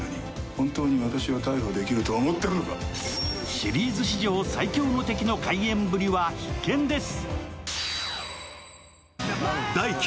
シリーズ史上最強の敵の怪演ぶりは必見です。